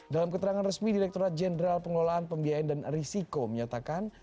dalam keterangan resmi direkturat jenderal pengelolaan pembiayaan dan risiko menyatakan